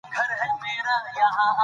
زموږ اجدادو دې ژبې ته ډېر کار کړی.